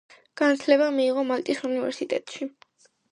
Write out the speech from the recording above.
განათლება მიიღო მალტის უნივერსიტეტში.